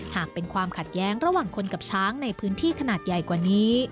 หากเป็นความขัดแย้งระหว่างคนกับช้างในพื้นที่ขนาดใหญ่กว่านี้